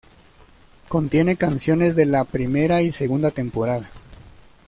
Contiene canciones de la primera y segunda temporada.